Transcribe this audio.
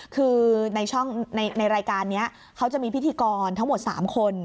คือในรายการนี้เขาจะมีพิธีกรทั้งหมด๓คน